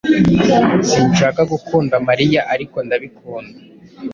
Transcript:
Sinshaka gukunda Mariya, ariko ndabikunda.